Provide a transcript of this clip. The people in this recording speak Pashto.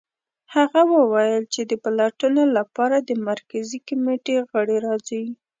هغه وویل چې د پلټنو لپاره د مرکزي کمېټې غړي راځي